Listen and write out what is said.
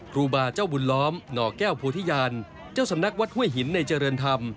ครูบาเจ้าบุญล้อมหน่อแก้วโพธิญาณเจ้าสำนักวัดห้วยหินในเจริญธรรม